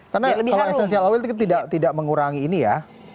karena kalau essential oil itu tidak mengurangi ini ya